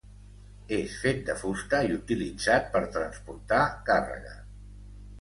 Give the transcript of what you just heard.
És fet de fusta, i utilitzat per transportar càrrega.